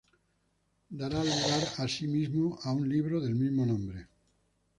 Dará lugar así mismo a un libro del mismo nombre.